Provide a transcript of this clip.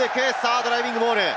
ドライビングモール。